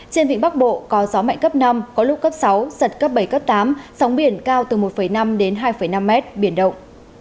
trên vịnh bắc bộ có gió mạnh cấp năm có lúc cấp sáu giật cấp bảy cấp tám sóng biển cao từ một năm đến hai năm mét biển động